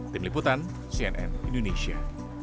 tim liputan cnn indonesia